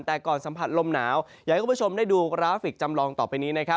แต่ก่อนสัมผัสลมหนาวอยากให้คุณผู้ชมได้ดูกราฟิกจำลองต่อไปนี้